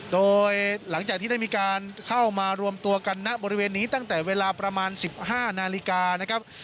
โดยหลังจากที่ได้มีการเข้ามารวมตัวกันณบริเวณนี้ตั้งแต่เวลาประมาณ๑๕นาฬิกานะครับ